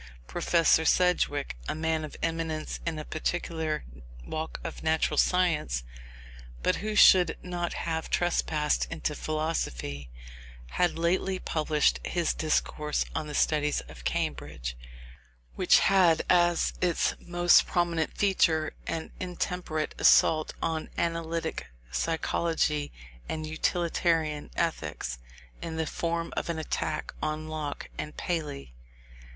Professor Sedgwick, a man of eminence in a particular walk of natural science, but who should not have trespassed into philosophy, had lately published his Discourse on the Studies of Cambridge, which had as its most prominent feature an intemperate assault on analytic psychology and utilitarian ethics, in the form of an attack on Locke and Paley.